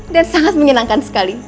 dan sangat menyenangkan sekali